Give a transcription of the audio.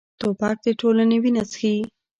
توپک د ټولنې وینه څښي.